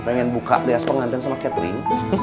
pengen buka rias pengantin sama catering